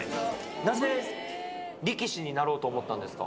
なぜ力士になろうと思ったんですか？